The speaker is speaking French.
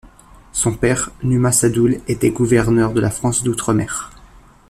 Son père, Numa Sadoul, était Gouverneur de la France d'Outre-Mer.